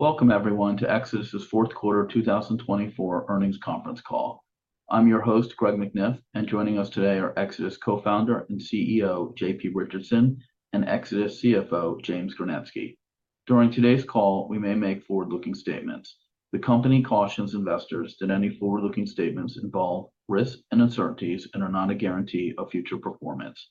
Welcome, everyone, to Exodus' Fourth Quarter 2024 Earnings Conference Call. I'm your host, Greg McNiff, and joining us today are Exodus Co-Founder and CEO JP Richardson and Exodus CFO James Gernetzke. During today's call, we may make forward-looking statements. The company cautions investors that any forward-looking statements involve risks and uncertainties and are not a guarantee of future performance.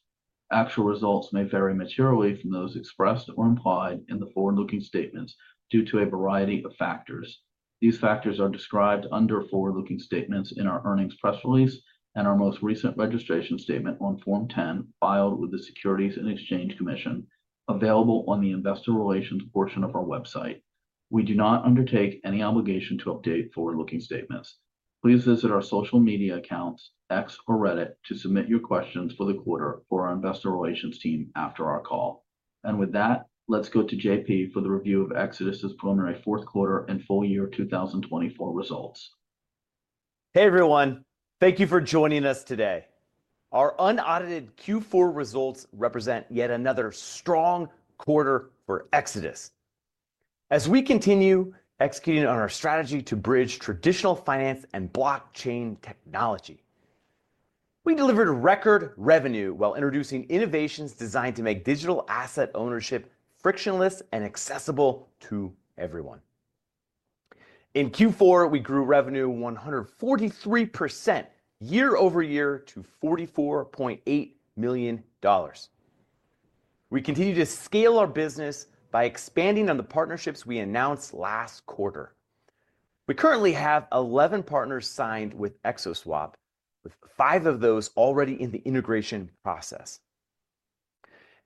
Actual results may vary materially from those expressed or implied in the forward-looking statements due to a variety of factors. These factors are described under forward-looking statements in our earnings press release and our most recent registration statement on Form 10 filed with the Securities and Exchange Commission, available on the Investor Relations portion of our website. We do not undertake any obligation to update forward-looking statements. Please visit our social media accounts, X or Reddit, to submit your questions for the quarter for our Investor Relations team after our call. With that, let's go to JP for the review of Exodus' preliminary fourth quarter and full year 2024 results. Hey, everyone. Thank you for joining us today. Our unaudited Q4 results represent yet another strong quarter for Exodus. As we continue executing on our strategy to bridge traditional finance and blockchain technology, we delivered record revenue while introducing innovations designed to make digital asset ownership frictionless and accessible to everyone. In Q4, we grew revenue 143% year-over-year to $44.8 million. We continue to scale our business by expanding on the partnerships we announced last quarter. We currently have 11 partners signed with XO Swap, with five of those already in the integration process.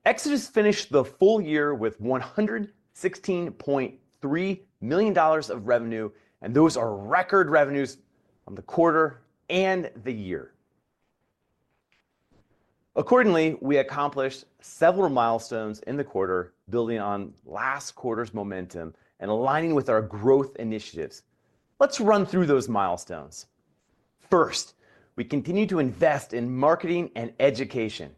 Exodus finished the full year with $116.3 million of revenue, and those are record revenues on the quarter and the year. Accordingly, we accomplished several milestones in the quarter, building on last quarter's momentum and aligning with our growth initiatives. Let's run through those milestones. First, we continue to invest in marketing and education.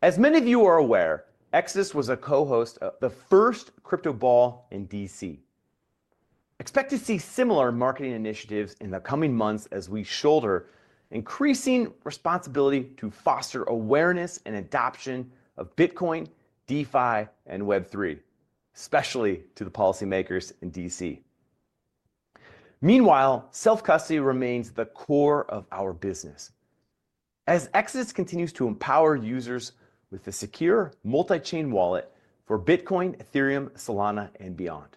As many of you are aware, Exodus was a co-host of the first Crypto Ball in D.C. Expect to see similar marketing initiatives in the coming months as we shoulder increasing responsibility to foster awareness and adoption of Bitcoin, DeFi, and Web3, especially to the policymakers in D.C. Meanwhile, self-custody remains the core of our business as Exodus continues to empower users with the secure multi-chain wallet for Bitcoin, Ethereum, Solana, and beyond.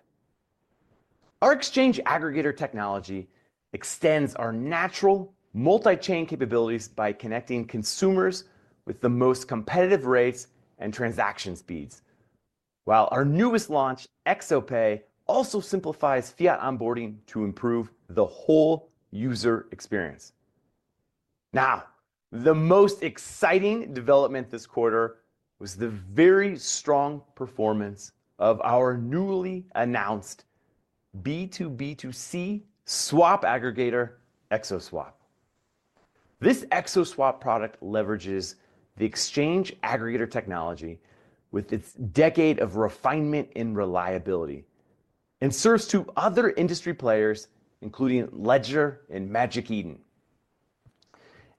Our exchange aggregator technology extends our natural multi-chain capabilities by connecting consumers with the most competitive rates and transaction speeds, while our newest launch, XO Pay, also simplifies fiat onboarding to improve the whole user experience. Now, the most exciting development this quarter was the very strong performance of our newly announced B2B2C swap aggregator, XO Swap. This XO Swap product leverages the exchange aggregator technology with its decade of refinement and reliability and serves to other industry players, including Ledger and Magic Eden.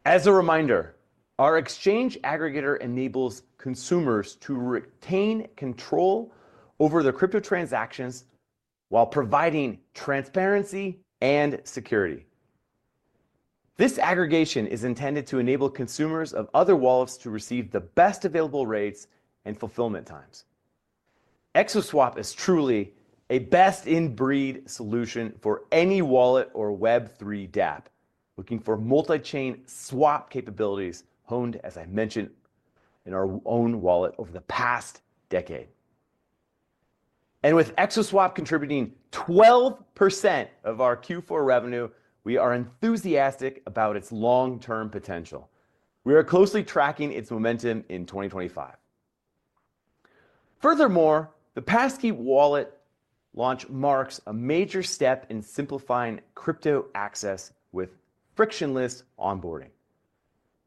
As a reminder, our exchange aggregator enables consumers to retain control over their crypto transactions while providing transparency and security. This aggregation is intended to enable consumers of other wallets to receive the best available rates and fulfillment times. XO Swap is truly a best-in-breed solution for any wallet or Web3 dApp looking for multi-chain swap capabilities honed, as I mentioned, in our own wallet over the past decade. With XO Swap contributing 12% of our Q4 revenue, we are enthusiastic about its long-term potential. We are closely tracking its momentum in 2025. Furthermore, the Passkeys wallet launch marks a major step in simplifying crypto access with frictionless onboarding.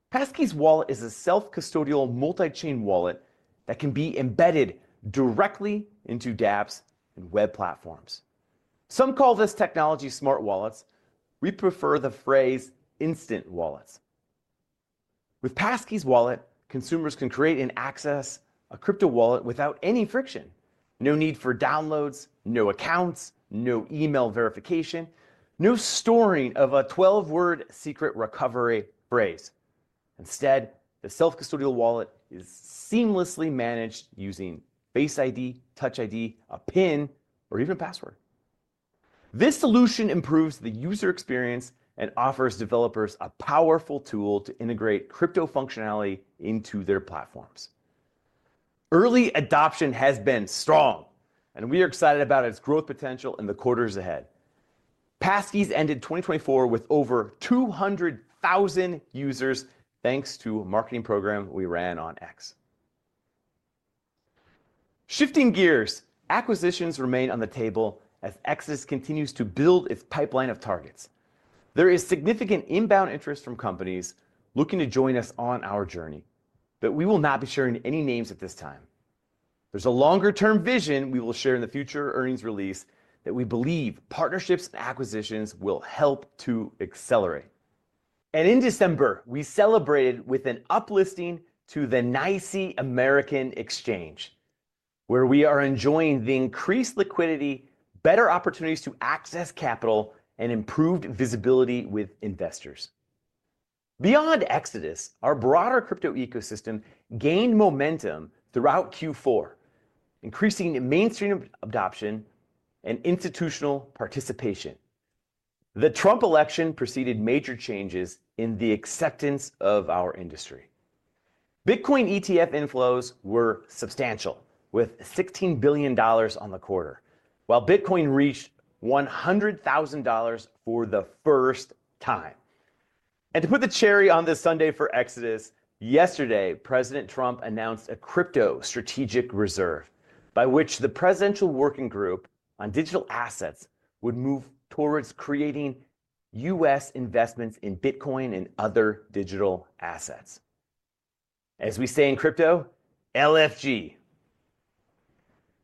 Passkeys wallet is a self-custodial multi-chain wallet that can be embedded directly into dApps and web platforms. Some call this technology smart wallets. We prefer the phrase instant wallets. With Passkeys wallet, consumers can create and access a crypto wallet without any friction. No need for downloads, no accounts, no email verification, no storing of a 12-word secret recovery phrase. Instead, the self-custodial wallet is seamlessly managed using Face ID, Touch ID, a PIN, or even a password. This solution improves the user experience and offers developers a powerful tool to integrate crypto functionality into their platforms. Early adoption has been strong, and we are excited about its growth potential in the quarters ahead. Passkeys ended 2024 with over 200,000 users thanks to a marketing program we ran on X. Shifting gears, acquisitions remain on the table as Exodus continues to build its pipeline of targets. There is significant inbound interest from companies looking to join us on our journey, but we will not be sharing any names at this time. There is a longer-term vision we will share in the future earnings release that we believe partnerships and acquisitions will help to accelerate. In December, we celebrated with an uplisting to the NYSE American exchange, where we are enjoying the increased liquidity, better opportunities to access capital, and improved visibility with investors. Beyond Exodus, our broader crypto ecosystem gained momentum throughout Q4, increasing mainstream adoption and institutional participation. The Trump election preceded major changes in the acceptance of our industry. Bitcoin ETF inflows were substantial, with $16 billion on the quarter, while Bitcoin reached $100,000 for the first time. To put the cherry on this Sunday for Exodus, yesterday, President Trump announced a crypto strategic reserve by which the Presidential Working Group on Digital Assets would move towards creating U.S. investments in Bitcoin and other digital assets. As we say in crypto, LFG.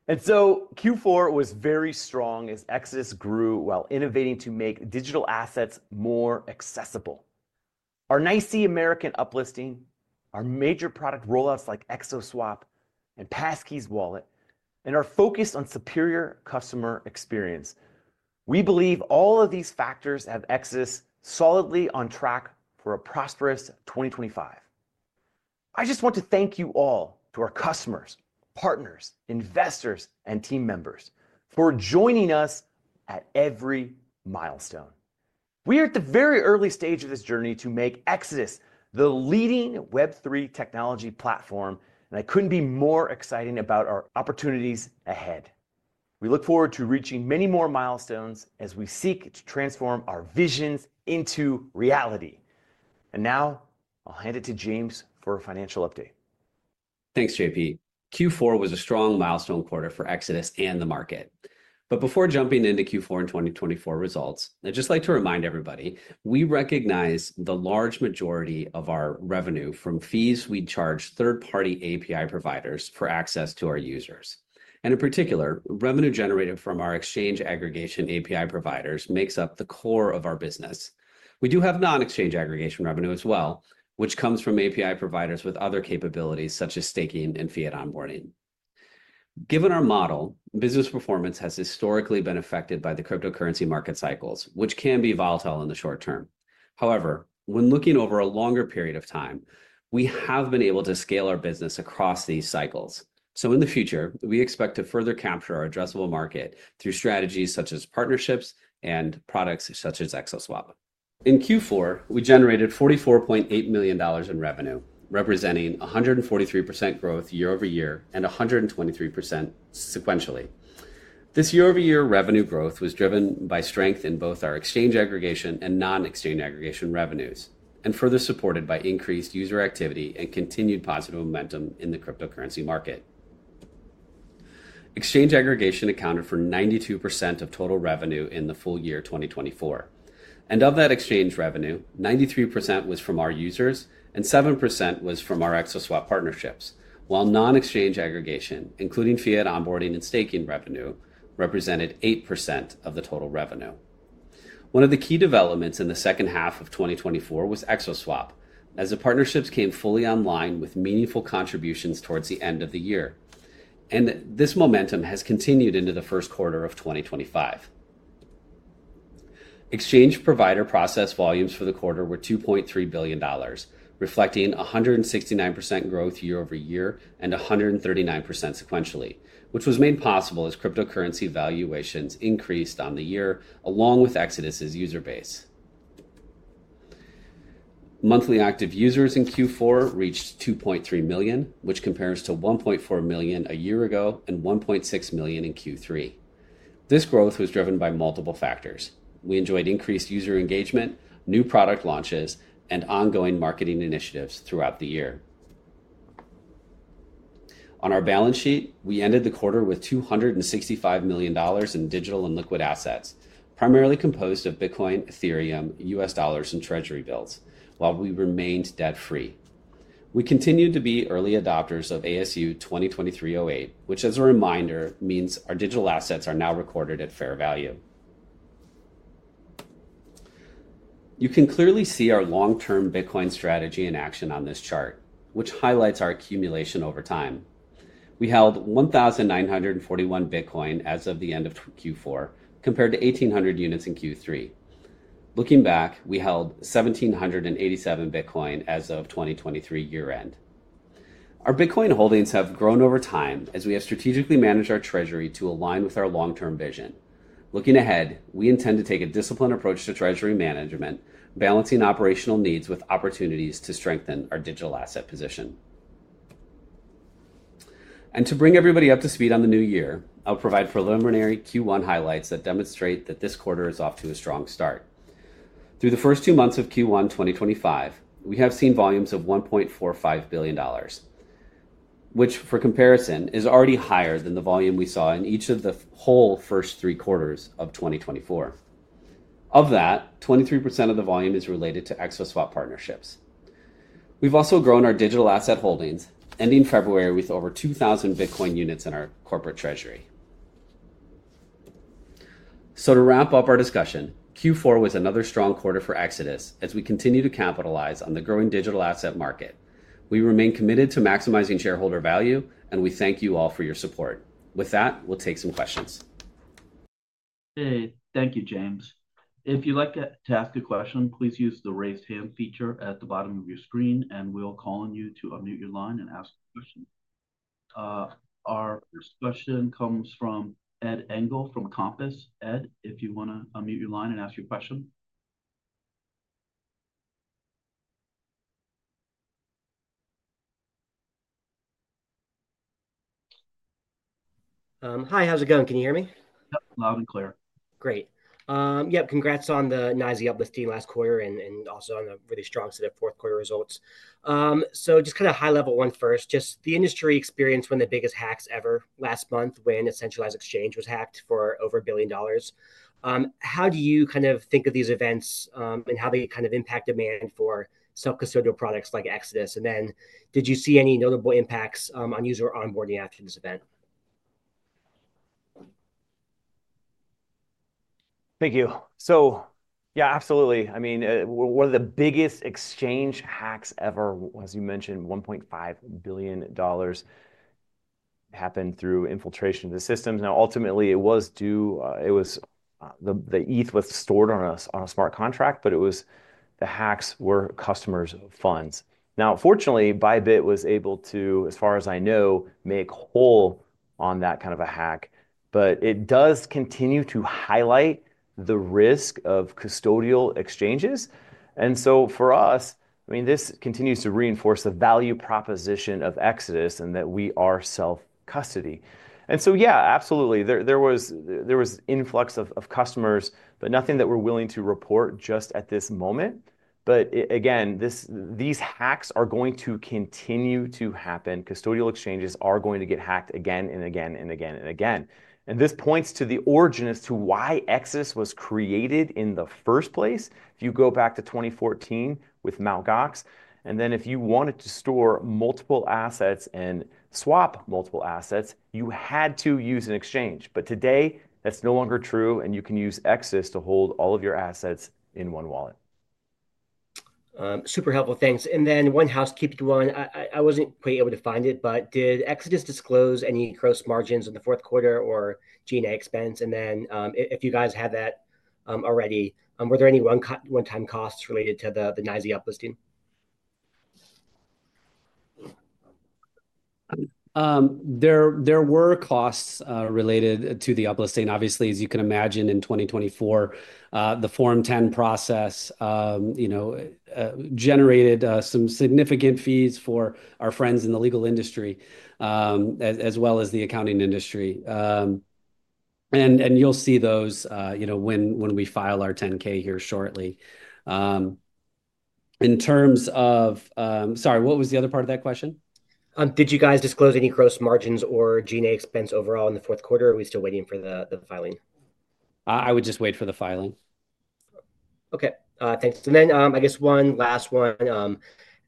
Q4 was very strong as Exodus grew while innovating to make digital assets more accessible. Our NYSE American uplisting, our major product rollouts like XO Swap and Passkeys Wallet, and our focus on superior customer experience. We believe all of these factors have Exodus solidly on track for a prosperous 2025. I just want to thank you all, to our customers, partners, investors, and team members, for joining us at every milestone. We are at the very early stage of this journey to make Exodus the leading Web3 technology platform, and I could not be more excited about our opportunities ahead. We look forward to reaching many more milestones as we seek to transform our visions into reality. I will hand it to James for a financial update. Thanks, JP. Q4 was a strong milestone quarter for Exodus and the market. Before jumping into Q4 and 2024 results, I'd just like to remind everybody we recognize the large majority of our revenue from fees we charge third-party API providers for access to our users. In particular, revenue generated from our exchange aggregation API providers makes up the core of our business. We do have non-exchange aggregation revenue as well, which comes from API providers with other capabilities such as staking and fiat onboarding. Given our model, business performance has historically been affected by the cryptocurrency market cycles, which can be volatile in the short term. However, when looking over a longer period of time, we have been able to scale our business across these cycles. In the future, we expect to further capture our addressable market through strategies such as partnerships and products such as XO Swap. In Q4, we generated $44.8 million in revenue, representing 143% growth year-over-year and 123% sequentially. This year-over-year revenue growth was driven by strength in both our exchange aggregation and non-exchange aggregation revenues, and further supported by increased user activity and continued positive momentum in the cryptocurrency market. Exchange aggregation accounted for 92% of total revenue in the full year 2024. Of that exchange revenue, 93% was from our users and 7% was from our XO Swap partnerships, while non-exchange aggregation, including fiat onboarding and staking revenue, represented 8% of the total revenue. One of the key developments in the second half of 2024 was XO Swap, as the partnerships came fully online with meaningful contributions towards the end of the year. This momentum has continued into the first quarter of 2025. Exchange provider process volumes for the quarter were $2.3 billion, reflecting 169% growth year-over-year and 139% sequentially, which was made possible as cryptocurrency valuations increased on the year along with Exodus' user base. Monthly active users in Q4 reached 2.3 million, which compares to 1.4 million a year ago and 1.6 million in Q3. This growth was driven by multiple factors. We enjoyed increased user engagement, new product launches, and ongoing marketing initiatives throughout the year. On our balance sheet, we ended the quarter with $265 million in digital and liquid assets, primarily composed of Bitcoin, Ethereum, U.S. dollars, and treasury bills, while we remained debt-free. We continue to be early adopters of ASU 2023-08, which, as a reminder, means our digital assets are now recorded at fair value. You can clearly see our long-term Bitcoin strategy in action on this chart, which highlights our accumulation over time. We held 1,941 Bitcoin as of the end of Q4, compared to 1,800 units in Q3. Looking back, we held 1,787 Bitcoin as of 2023 year-end. Our Bitcoin holdings have grown over time as we have strategically managed our treasury to align with our long-term vision. Looking ahead, we intend to take a disciplined approach to treasury management, balancing operational needs with opportunities to strengthen our digital asset position. To bring everybody up to speed on the new year, I'll provide preliminary Q1 highlights that demonstrate that this quarter is off to a strong start. Through the first two months of Q1 2025, we have seen volumes of $1.45 billion, which, for comparison, is already higher than the volume we saw in each of the whole first three quarters of 2024. Of that, 23% of the volume is related to XO Swap partnerships. We have also grown our digital asset holdings, ending February with over 2,000 Bitcoin units in our corporate treasury. To wrap up our discussion, Q4 was another strong quarter for Exodus as we continue to capitalize on the growing digital asset market. We remain committed to maximizing shareholder value, and we thank you all for your support. With that, we will take some questions. Hey, thank you, James. If you'd like to ask a question, please use the raised hand feature at the bottom of your screen, and we'll call on you to unmute your line and ask a question. Our first question comes from Ed Engel from Compass. Ed, if you want to unmute your line and ask your question. Hi, how's it going? Can you hear me? Loud and clear. Great. Yep, congrats on the NYSE uplisting last quarter and also on a really strong set of fourth quarter results. Just kind of high-level one first, just the industry experienced one of the biggest hacks ever last month when a centralized exchange was hacked for over $1 billion. How do you kind of think of these events and how they kind of impact demand for self-custodial products like Exodus? Did you see any notable impacts on user onboarding after this event? Thank you. Yeah, absolutely. I mean, one of the biggest exchange hacks ever was, you mentioned, $1.5 billion happened through infiltration of the systems. Ultimately, it was due, it was the ETH was stored on a smart contract, but it was the hacks were customers' funds. Fortunately, Bybit was able to, as far as I know, make whole on that kind of a hack. It does continue to highlight the risk of custodial exchanges. For us, I mean, this continues to reinforce the value proposition of Exodus and that we are self-custody. Yeah, absolutely, there was influx of customers, but nothing that we're willing to report just at this moment. Again, these hacks are going to continue to happen. Custodial exchanges are going to get hacked again and again and again and again. This points to the origin as to why Exodus was created in the first place. If you go back to 2014 with Mt. Gox, and then if you wanted to store multiple assets and swap multiple assets, you had to use an exchange. Today, that's no longer true, and you can use Exodus to hold all of your assets in one wallet. Super helpful, thanks. One housekeeping one, I was not quite able to find it, but did Exodus disclose any gross margins in the fourth quarter or G&A expense? If you guys have that already, were there any one-time costs related to the NYSE uplifting? There were costs related to the uplisting. Obviously, as you can imagine, in 2024, the Form 10 process generated some significant fees for our friends in the legal industry as well as the accounting industry. You will see those when we file our 10-K here shortly. In terms of sorry, what was the other part of that question? Did you guys disclose any gross margins or G&A expense overall in the fourth quarter, or are we still waiting for the filing? I would just wait for the filing. Okay, thanks. I guess one last one.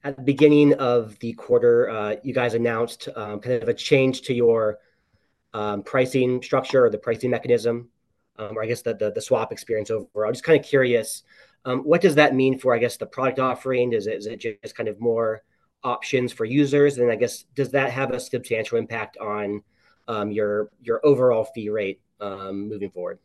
At the beginning of the quarter, you guys announced kind of a change to your pricing structure or the pricing mechanism, or I guess the swap experience overall. I'm just kind of curious, what does that mean for, I guess, the product offering? Is it just kind of more options for users? I guess, does that have a substantial impact on your overall fee rate moving forward?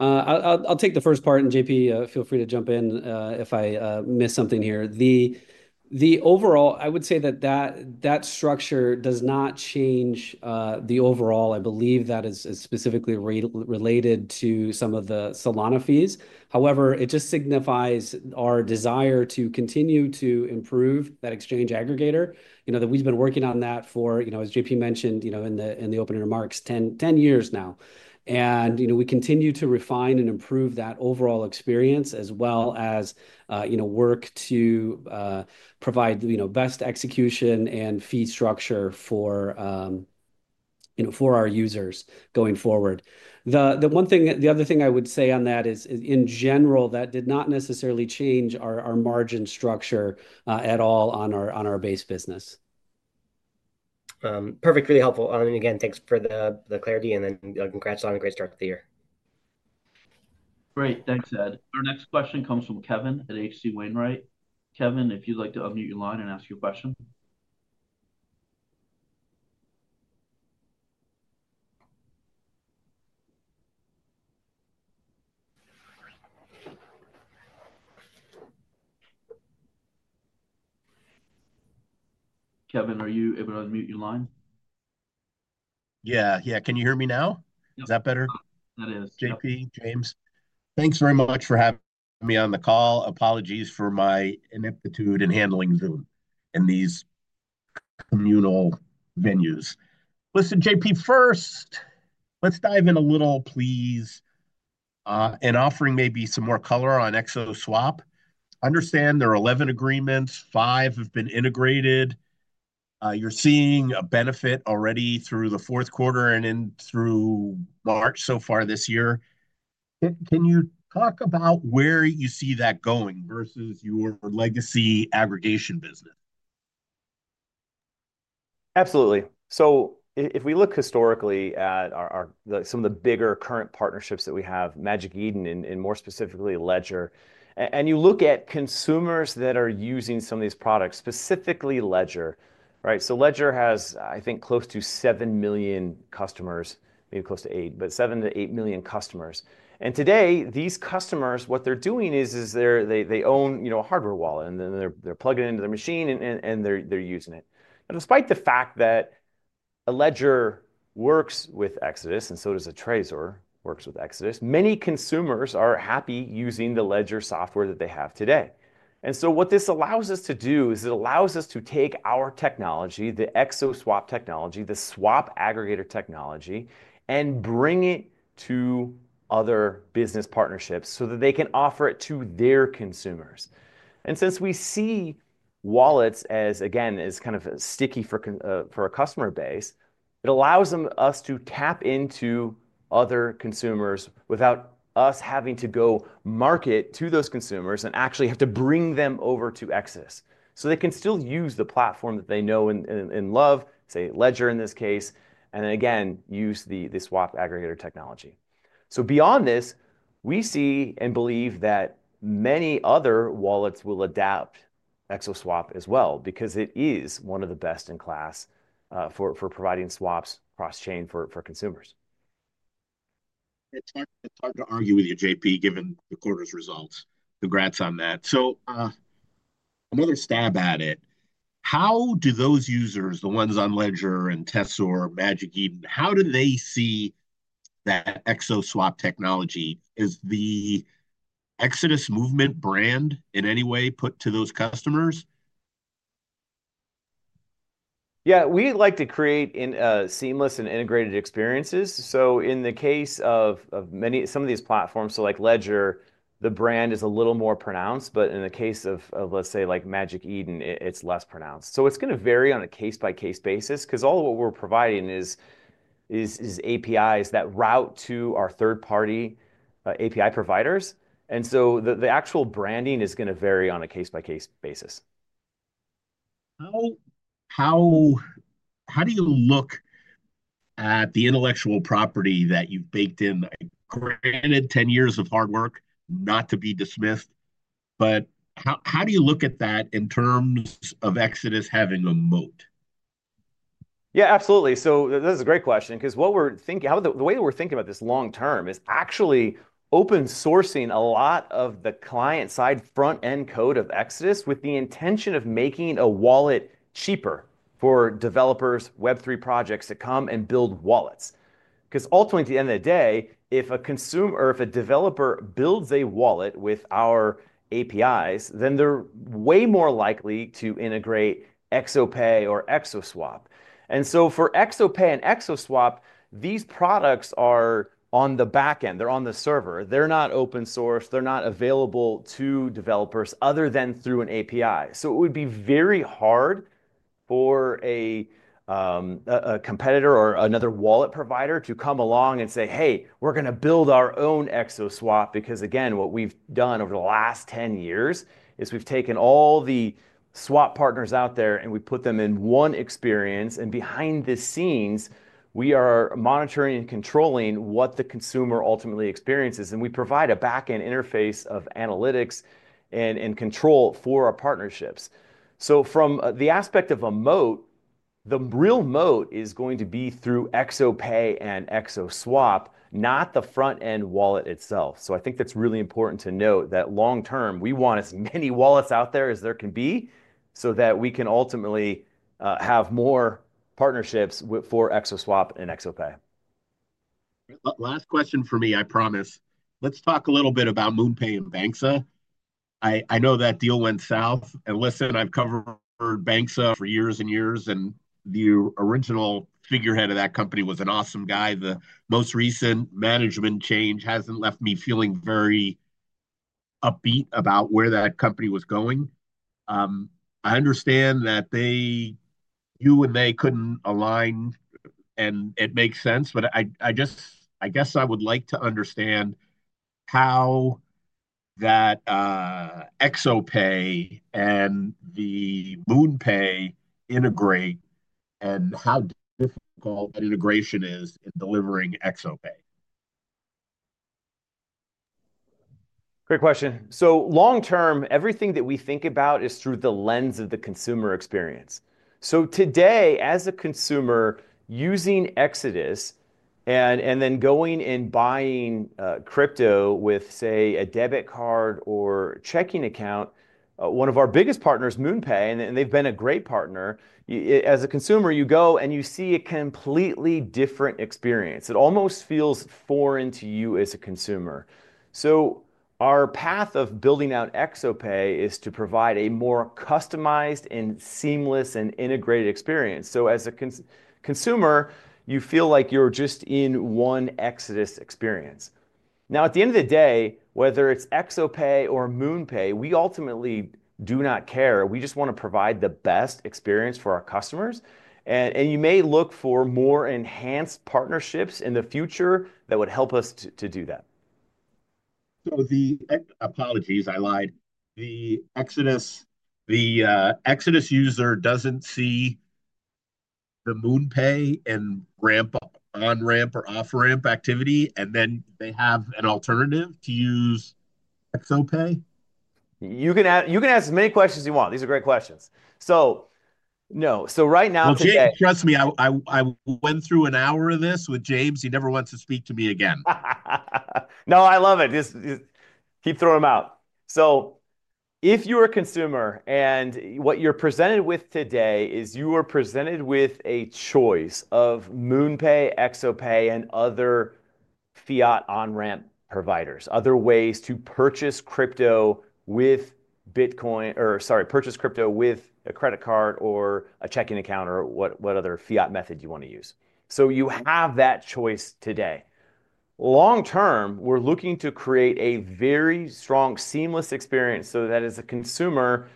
I'll take the first part, and JP, feel free to jump in if I miss something here. Overall, I would say that that structure does not change the overall. I believe that is specifically related to some of the Solana fees. However, it just signifies our desire to continue to improve that exchange aggregator. We've been working on that for, as JP mentioned in the opening remarks, 10 years now. We continue to refine and improve that overall experience as well as work to provide best execution and fee structure for our users going forward. The other thing I would say on that is, in general, that did not necessarily change our margin structure at all on our base business. Perfect, really helpful. Thanks for the clarity, and congrats on a great start to the year. Great, thanks, Ed. Our next question comes from Kevin at H.C. Wainwright. Kevin, if you'd like to unmute your line and ask your question. Kevin, are you able to unmute your line? Yeah, yeah. Can you hear me now? Is that better? That is. JP, James. Thanks very much for having me on the call. Apologies for my ineptitude in handling Zoom in these communal venues. Listen, JP, first, let's dive in a little, please, and offering maybe some more color on XO Swap. Understand there are 11 agreements, five have been integrated. You're seeing a benefit already through the fourth quarter and in through March so far this year. Can you talk about where you see that going versus your legacy aggregation business? Absolutely. If we look historically at some of the bigger current partnerships that we have, Magic Eden, and more specifically Ledger, and you look at consumers that are using some of these products, specifically Ledger, right? Ledger has, I think, close to 7 million customers, maybe close to 8, but 7million-8 million customers. Today, these customers, what they're doing is they own a hardware wallet, and then they're plugging it into their machine, and they're using it. Despite the fact that a Ledger works with Exodus, and so does a Trezor works with Exodus, many consumers are happy using the Ledger software that they have today. What this allows us to do is it allows us to take our technology, the XO Swap technology, the swap aggregator technology, and bring it to other business partnerships so that they can offer it to their consumers. Since we see wallets as, again, is kind of sticky for a customer base, it allows us to tap into other consumers without us having to go market to those consumers and actually have to bring them over to Exodus. They can still use the platform that they know and love, say, Ledger in this case, and then again, use the swap aggregator technology. Beyond this, we see and believe that many other wallets will adapt XO Swap as well because it is one of the best in class for providing swaps cross-chain for consumers. It's hard to argue with you, JP, given the quarter's results. Congrats on that. Another stab at it. How do those users, the ones on Ledger and Trezor or Magic Eden, how do they see that XO Swap technology? Is the Exodus Movement brand in any way put to those customers? Yeah, we like to create seamless and integrated experiences. In the case of some of these platforms, like Ledger, the brand is a little more pronounced, but in the case of, let's say, Magic Eden, it's less pronounced. It is going to vary on a case-by-case basis because all of what we're providing is APIs that route to our third-party API providers. The actual branding is going to vary on a case-by-case basis. How do you look at the intellectual property that you've baked in? Granted, 10 years of hard work not to be dismissed, but how do you look at that in terms of Exodus having a moat? Yeah, absolutely. That is a great question because what we are thinking, the way we are thinking about this long-term is actually open-sourcing a lot of the client-side front-end code of Exodus with the intention of making a wallet cheaper for developers, Web3 projects to come and build wallets. Because ultimately, at the end of the day, if a consumer or if a developer builds a wallet with our APIs, then they are way more likely to integrate XO Pay or XO Swap. For XO Pay and XO Swap, these products are on the backend. They are on the server. They are not open-source. They are not available to developers other than through an API. It would be very hard for a competitor or another wallet provider to come along and say, "Hey, we're going to build our own XO Swap," because, again, what we've done over the last 10 years is we've taken all the swap partners out there and we put them in one experience, and behind the scenes, we are monitoring and controlling what the consumer ultimately experiences. We provide a backend interface of analytics and control for our partnerships. From the aspect of a moat, the real moat is going to be through XO Pay and XO Swap, not the front-end wallet itself. I think that's really important to note that long-term, we want as many wallets out there as there can be so that we can ultimately have more partnerships for XO Swap and XO Pay. Last question for me, I promise. Let's talk a little bit about MoonPay and Banxa. I know that deal went south. Listen, I've covered Banxa for years and years, and the original figurehead of that company was an awesome guy. The most recent management change hasn't left me feeling very upbeat about where that company was going. I understand that you and they couldn't align, and it makes sense, but I guess I would like to understand how that XO Pay and the MoonPay integrate and how difficult that integration is in delivering XO Pay. Great question. Long-term, everything that we think about is through the lens of the consumer experience. Today, as a consumer using Exodus and then going and buying crypto with, say, a debit card or checking account, one of our biggest partners, MoonPay, and they've been a great partner, as a consumer, you go and you see a completely different experience. It almost feels foreign to you as a consumer. Our path of building out XO Pay is to provide a more customized and seamless and integrated experience. As a consumer, you feel like you're just in one Exodus experience. At the end of the day, whether it's XO Pay or MoonPay, we ultimately do not care. We just want to provide the best experience for our customers. You may look for more enhanced partnerships in the future that would help us to do that. Apologies, I lied. The Exodus user does not see the MoonPay and Ramp on-ramp or off-ramp activity, and then they have an alternative to use XO Pay? You can ask as many questions as you want. These are great questions. No. Right now, James, trust me, I went through an hour of this with James. He never wants to speak to me again. No, I love it. Just keep throwing them out. If you're a consumer and what you're presented with today is you are presented with a choice of MoonPay, XO Pay, and other fiat on-ramp providers, other ways to purchase crypto with Bitcoin or sorry, purchase crypto with a credit card or a checking account or what other fiat method you want to use. You have that choice today. Long-term, we're looking to create a very strong, seamless experience so that as a consumer,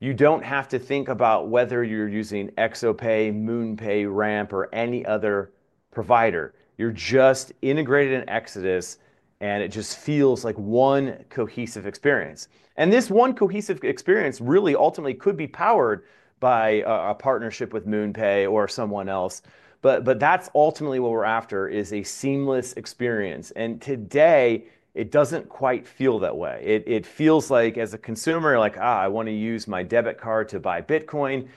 you don't have to think about whether you're using XO Pay, MoonPay, Ramp, or any other provider. You're just integrated in Exodus, and it just feels like one cohesive experience. This one cohesive experience really ultimately could be powered by a partnership with MoonPay or someone else. That's ultimately what we're after is a seamless experience. Today, it doesn't quite feel that way. It feels like as a consumer, like, I want to use my debit card to buy Bitcoin.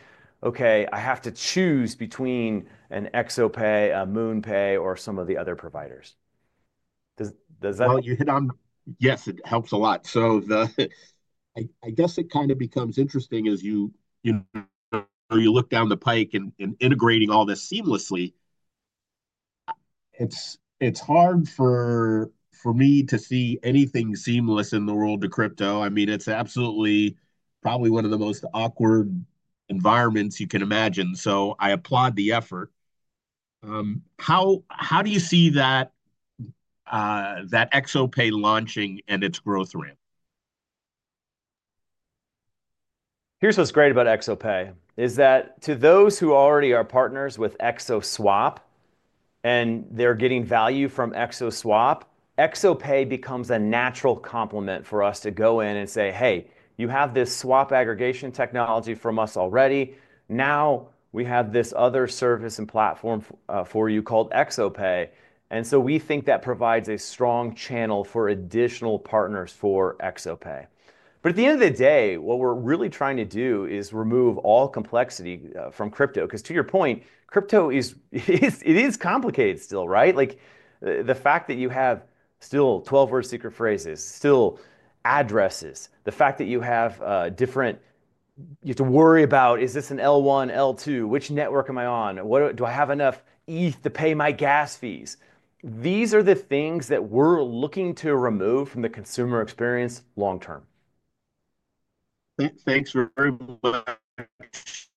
Okay, I have to choose between an XO Pay, a MoonPay, or some of the other providers. Does that? You hit on yes, it helps a lot. I guess it kind of becomes interesting as you look down the pike in integrating all this seamlessly. It is hard for me to see anything seamless in the world of crypto. I mean, it is absolutely probably one of the most awkward environments you can imagine. I applaud the effort. How do you see that XO Pay launching and its growth ramp? Here's what's great about XO Pay is that to those who already are partners with XO Swap and they're getting value from XO Swap, XO Pay becomes a natural complement for us to go in and say, "Hey, you have this swap aggregation technology from us already. Now we have this other service and platform for you called XO Pay." We think that provides a strong channel for additional partners for XO Pay. At the end of the day, what we're really trying to do is remove all complexity from crypto because to your point, crypto is it is complicated still, right? The fact that you have still 12-word secret phrases, still addresses, the fact that you have different you have to worry about, "Is this an L1, L2? Which network am I on? Do I have enough ETH to pay my gas fees?" These are the things that we're looking to remove from the consumer experience long-term. Thanks very much,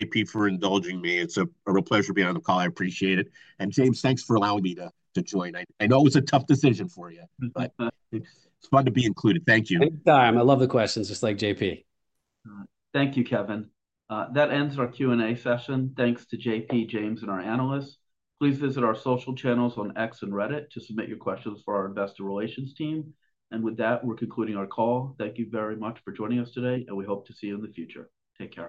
JP, for indulging me. It's a real pleasure being on the call. I appreciate it. James, thanks for allowing me to join. I know it's a tough decision for you, but it's fun to be included. Thank you. Big time. I love the questions, just like JP. Thank you, Kevin. That ends our Q&A session. Thanks to JP, James, and our analysts. Please visit our social channels on X and Reddit to submit your questions for our investor relations team. With that, we are concluding our call. Thank you very much for joining us today, and we hope to see you in the future. Take care.